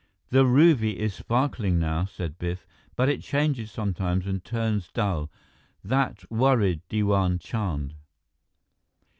"The ruby is sparkling now," said Biff, "but it changes sometimes and turns dull. That worried Diwan Chand."